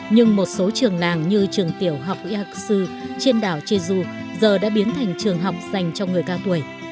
nhưng một số trường làng như trường tiểu học uy hak su trên đảo jeju giờ đã biến thành trường học dành cho người cao tuổi